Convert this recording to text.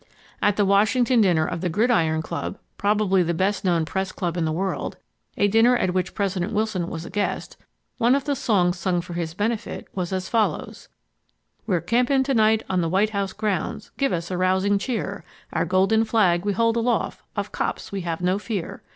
At the Washington dinner of the Gridiron Club, probably the best known press club in the world,—a dinner at which President Wilson was a guest,—one of the songs sung for his benefit was as follows: "We're camping to night on the White House grounds Give us a rousing cheer; Our golden flag we hold aloft, of cops we have no fear.